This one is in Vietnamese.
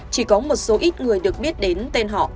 chỉ có một số ít người được biết đến tên họ